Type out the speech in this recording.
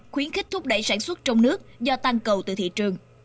khuyến khích thúc đẩy sản xuất trong nước do tăng cầu từ thị trường